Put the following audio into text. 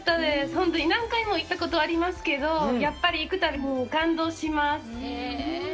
本当に何回も行ったことありますけど、やっぱり、行くたびに感動します。